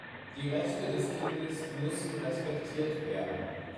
Die Rechte des Kindes müssen respektiert werden.